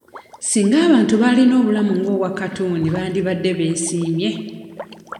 Singa abantu baalina obulamu ng'obwa katuuni bandibadde beesimye.